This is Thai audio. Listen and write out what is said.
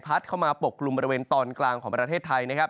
เข้ามาปกกลุ่มบริเวณตอนกลางของประเทศไทยนะครับ